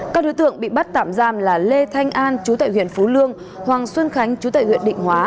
các đối tượng bị bắt tạm giam là lê thanh an chú tại huyện phú lương hoàng xuân khánh chú tại huyện định hóa